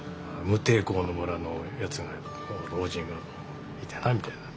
「無抵抗の村のやつが老人がこういてな」みたいな。